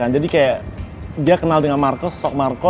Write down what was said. jadi kayak dia kenal dengan marco sosok marco